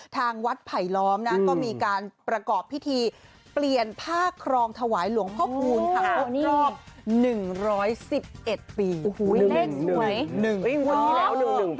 ทางวัดไผลล้อมนะก็มีการประกอบพิธีเปลี่ยนผ้าครองถวายหลวงพ่อภูมิค่ะ